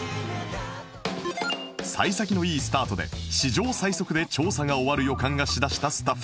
幸先のいいスタートで史上最速で調査が終わる予感がしだしたスタッフ